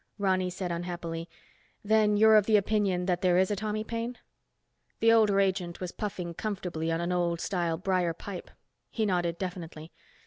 Ronny said unhappily, "Then you're of the opinion that there is a Tommy Paine?" The older agent was puffing comfortably on an old style briar pipe. He nodded definitely.